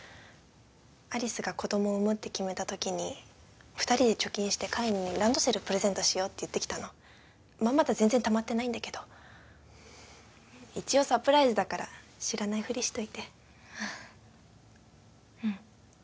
有栖が子どもを産むって決めた時に二人で貯金して海にランドセルプレゼントしようって言ってきたのまあまだ全然たまってないんだけど一応サプライズだから知らないフリしといてうん